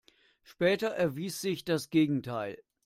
Später erwies sich das Gegenteil.